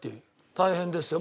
大変ですよ。